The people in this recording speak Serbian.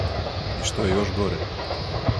И што је још горе.